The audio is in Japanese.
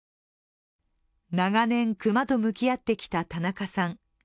長年、熊と向き合ってきた田中さん。